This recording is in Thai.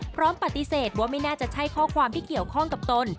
พร้อมปฏิเสธว่าไม่น่าจะใช่ข้อความที่เกี่ยวข้องกับตน